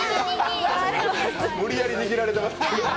無理やり握られてますけどね。